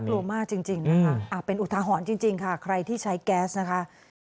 น่ากลัวมากจริงเป็นอุทหรณ์จริงใครที่ใช้แก๊สนะคะ